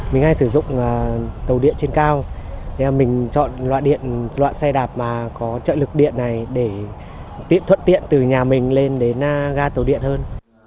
mình hay sử dụng tàu điện trên cao nên mình chọn loại xe đạp mà có trợ lực điện này để tiện thuận tiện từ nhà mình lên đến ga tàu điện hơn